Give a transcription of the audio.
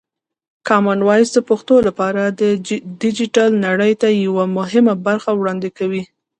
کامن وایس د پښتو لپاره د ډیجیټل نړۍ ته یوه مهمه برخه وړاندې کوي.